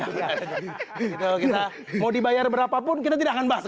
mau dibayar berapapun kita tidak akan bahas